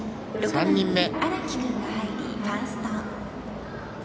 ３人目。